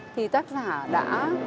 thì tác giả đã